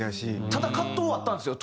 ただ葛藤はあったんですよ